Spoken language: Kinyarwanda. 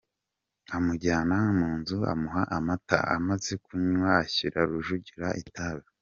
Amujyana mu nzu amuha amata, amaze kunywa ashyira Rujugira itabi.